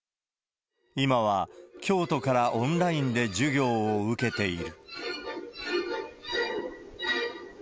今は、京都からオンラインで授業を受けている。